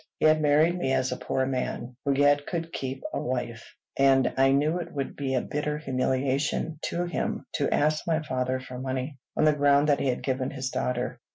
He had married me as a poor man, who yet could keep a wife; and I knew it would be a bitter humiliation to him to ask my father for money, on the ground that he had given his daughter.